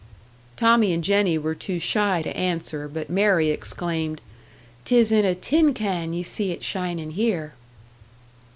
Tommie and Jennie were too shy to answer, but Mary exclaimed, "'Tis in a tin can ye see it shinin' here!"